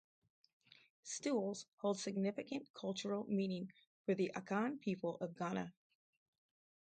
Stools hold significant cultural meaning for the Akan people of Ghana.